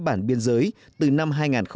bản biên giới từ năm hai nghìn một mươi